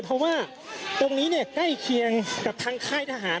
เพราะว่าตรงนี้ใกล้เคียงกับทางค่ายทหาร